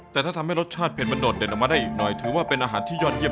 ผมคิดว่ารสชาติอาหารจานนี้ของคุณถือว่าดีมากเลยนะครับ